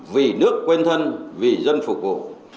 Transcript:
vì nước quen thân vì dân phục vụ